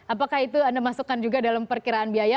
apakah itu anda masukkan juga dalam perkiraan biaya